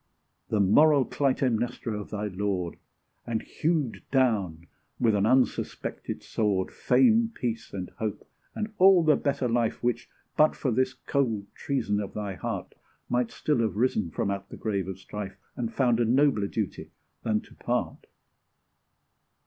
The moral Clytemnestra of thy lord, And hewed down, with an unsuspected sword, Fame, peace, and hope and all the better life Which, but for this cold treason of thy heart, Might still have risen from out the grave of strife, And found a nobler duty than to part.